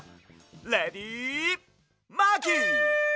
レディマーキー！